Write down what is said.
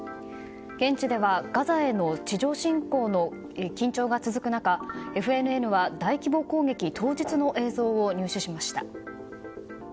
現地ではガザへの地上侵攻の緊張が続く中ＦＮＮは大規模攻撃当日の映像を入手しました。